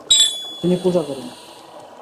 তিনি পূজা করেন।